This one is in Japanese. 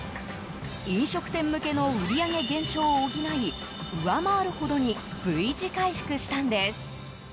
飲食店向けの売り上げ減少を補い上回るほどにＶ字回復したんです。